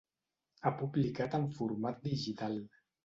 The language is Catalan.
Ha publicat en format digital.